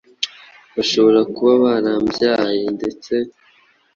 Bashobora kuba barambyaye ndetse